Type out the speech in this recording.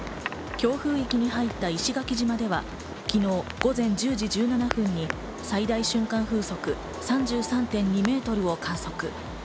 強風域に入った石垣島では昨日、午前１０時１７分に最大瞬間風速３３．２メートルを観測。